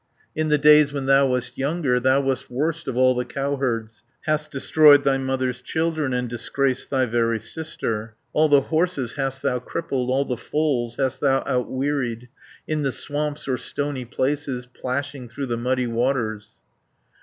In the days when thou wast younger, Thou wast worst of all the cowherds, Hast destroyed thy mother's children, And disgraced thy very sister, 490 All the horses hast thou crippled, All the foals hast thou outwearied, In the swamps or stony places, Plashing through the muddy waters."